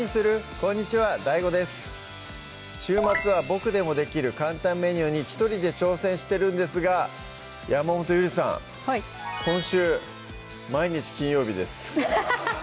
こんにちはＤＡＩＧＯです週末はボクでもできる簡単メニューに一人で挑戦してるんですが山本ゆりさんはい今週毎日金曜日です